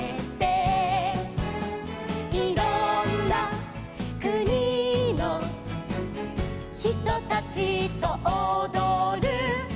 「いろんなくにのひとたちとおどる」